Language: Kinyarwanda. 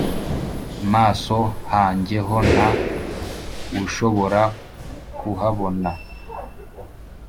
maso hanjye ho nta wushobora kuhabona n